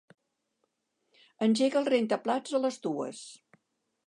Engega el rentaplats a les dues.